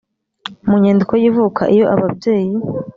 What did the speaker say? mu nyandiko y ivuka iyo ababyeyi